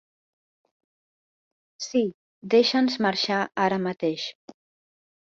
Sí, deixa'ns marxar ara mateix.